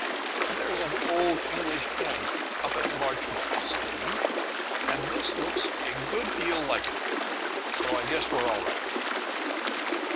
"There's an old English inn up at Larchmont," said he, "and this looks a good deal like it, so I guess we're all right."